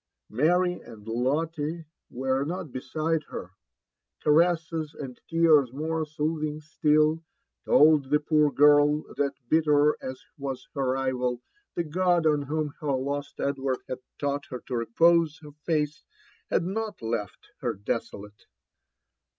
Mary and Lotte were now beside her : caresses, and tears m^fe sootliing still, told the poor girl that bitter as was her trial, the God on' whom her lost Edward had faoght her to repose her faiih had not left 8M UFB AND ADVKNTURES OF her desoUle.